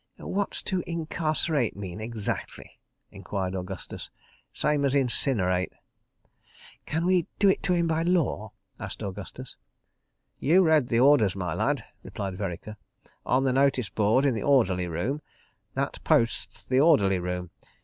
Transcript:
"What's 'to incarcerate' mean, exactly?" enquired Augustus. "Same as 'incinerate.'" "Can we do it to him by law?" asked Augustus. "You read the Orders, my lad," replied Vereker. "On the notice board in the Orderly Room. That post's the Orderly Room.